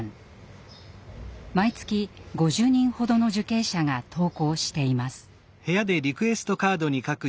毎月５０人ほどの受刑者が投稿しています。